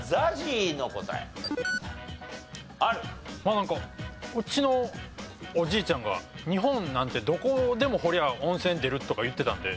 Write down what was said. なんかうちのおじいちゃんが「日本なんてどこでも掘りゃ温泉出る」とか言ってたんで。